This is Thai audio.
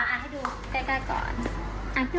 ให้ดูใกล้ก่อน